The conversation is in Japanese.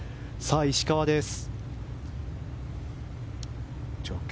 石川です。